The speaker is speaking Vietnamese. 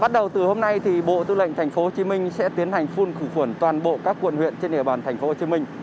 bắt đầu từ hôm nay bộ tư lệnh tp hcm sẽ tiến hành phun khử khuẩn toàn bộ các quận huyện trên địa bàn tp hcm